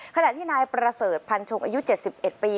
ขณะที่นายประเสริฐพันชงอายุ๗๑ปี